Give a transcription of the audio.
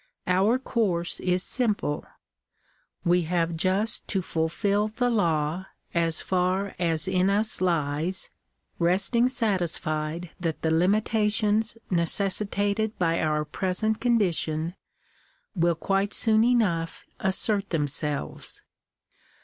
Our course is simple. We have just to fulfil the law as for as in us lies, resting satis fied that the limitations necessitated by our present condition will quite soon enough assert themselves.